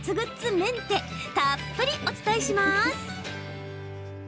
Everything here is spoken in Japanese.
メンテたっぷり、お伝えします。